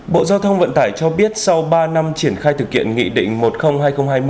bộ giao thông vận tải cho biết sau ba năm triển khai thực hiện nghị định một trăm linh hai nghìn hai mươi